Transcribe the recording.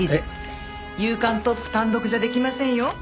『夕刊トップ』単独じゃできませんよ。